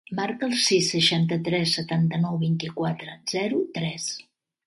Marca el sis, seixanta-tres, setanta-nou, vint-i-quatre, zero, tres.